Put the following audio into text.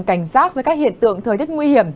và cần cảnh giác với các hiện tượng thời tiết nguy hiểm